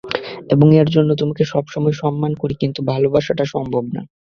এবং এর জন্য তোমাকে সবসময় সম্মান করি, কিন্তু ভালোবাসাটা সম্ভব না।